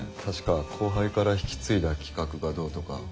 確か後輩から引き継いだ企画がどうとか。